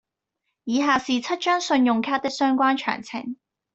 以下是七張信用卡的相關詳情